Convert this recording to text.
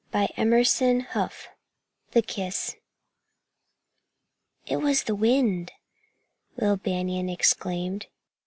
CHAPTER XIV THE KISS "It was the wind!" Will Banion exclaimed.